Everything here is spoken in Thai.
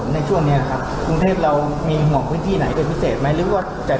นักการบางนักการสุทธิ์เพราะว่าของผู้ชายเลี่ยงใหญ่ต้องปลายช้า